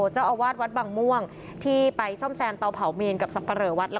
เจ้าอาวาสวัดบางม่วงที่ไปซ่อมแซมเตาเผาเมนกับสับปะเหลอวัด